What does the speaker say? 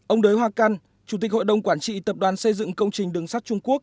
ông đới hoa căn chủ tịch hội đồng quản trị tập đoàn xây dựng công trình đường sắt trung quốc